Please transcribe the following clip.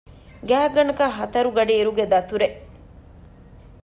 ގާތްގަނޑަކަށް ހަތަރު ގަޑިއިރުގެ ދަތުރެއް